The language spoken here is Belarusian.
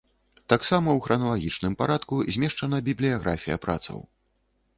Таксама, у храналагічным парадку, змешчана бібліяграфія працаў.